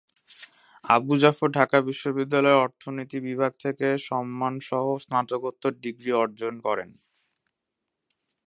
আবু জাফর ঢাকা বিশ্ববিদ্যালয়ের অর্থনীতি বিভাগ থেকে সম্মানসহ স্নাতকোত্তর ডিগ্রি অর্জন করেন।